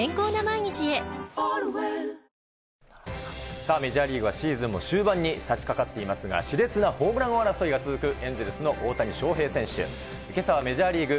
さあ、メジャーリーグはシーズンも終盤にさしかかっていますが、しれつなホームラン王争い続くエンゼルスの大谷翔平選手。